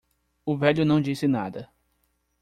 O velho não disse nada.